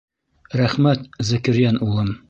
Рәхмәт, Зәкирйән улым!